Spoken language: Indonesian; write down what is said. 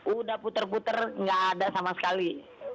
udah puter puter nggak ada sama sekali